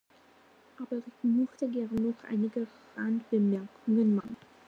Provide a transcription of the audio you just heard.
Aber ich möchte gern noch einige Randbemerkungen machen.